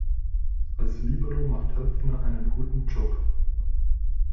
Als Libero macht Höpfner einen guten Job.